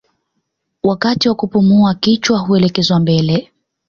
Wakati wa kupumua kichwa huelekezwa mbele